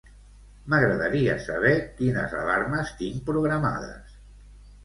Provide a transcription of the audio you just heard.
M'agradaria saber quines alarmes tinc programades.